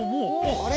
あれ？